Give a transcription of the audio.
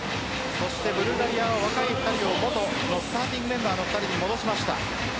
ブルガリアは若い２人を元のスターティングメンバーの２人に戻しました。